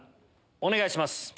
お願いします。